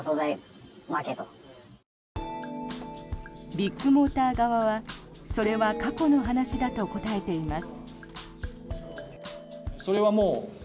ビッグモーター側はそれは過去の話だと答えています。